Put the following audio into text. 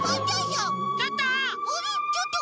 ちょっと。